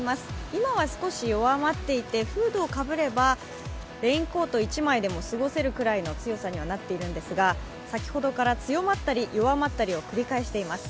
今は少し弱まっていてフードをかぶれば、レインコート一枚でも過ごせるくらいの強さにはなっているんですが先ほどから強まったり弱まったりを繰り返しています。